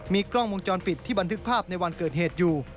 กล้องวงจรปิดที่บันทึกภาพในวันเกิดเหตุอยู่